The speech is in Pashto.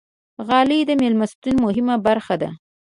غالۍ د میلمستون مهمه برخه ده.